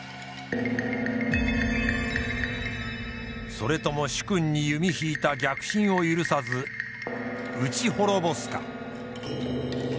それとも主君に弓引いた逆心を許さず討ち滅ぼすか。